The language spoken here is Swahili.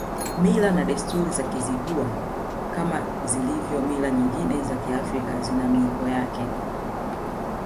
Mila na desturi za Kizigua kama zilivyo mila nyingine za Kiafrika zina miiko yake